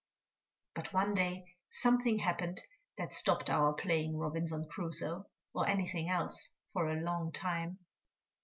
But one day something happened that stopped our playing Robinson Crusoe or anything else for a long time.